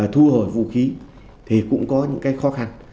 thu hồi vũ khí thì cũng có những cái khó khăn